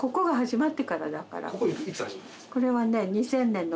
これはね